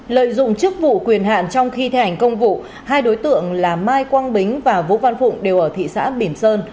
lợi dụng chức vụ quyền hạn trong khi thi hành công vụ hai đối tượng là mai quang bính và vũ văn phụng đều ở thị xã bỉm sơn